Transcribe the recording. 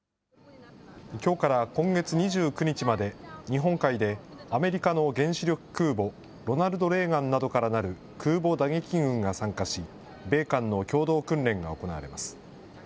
きょうから今月２９日まで、日本海でアメリカの原子力空母ロナルド・レーガンなどからなる空母打撃群が参加し、米韓の共同訓練が行われます。